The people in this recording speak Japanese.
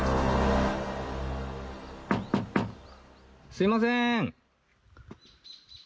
すいません。